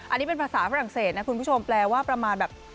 อันนี้เป็นภาษาฝรั่งเศสนะคุณผู้ชมแปลว่าประมาณแบบ